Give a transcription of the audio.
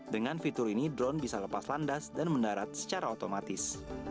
dengan fitur ini drone bisa lepas landas dan mendarat secara otomatis